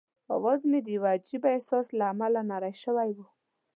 اواز مې د یوه عجيبه احساس له امله نری شوی وو.